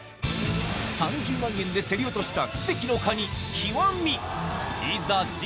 ３０万円で競り落とした奇跡のカニ極いざ実